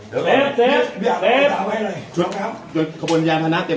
ตำรวจแห่งมือ